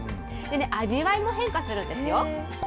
味わいも変化するんですよ。